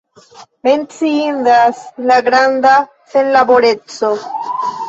Menciindas la granda senlaboreco.